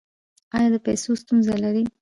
ایا د پیسو ستونزه لرئ؟